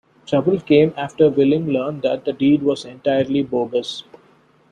Trouble came after Willing learned that the deed was entirely bogus.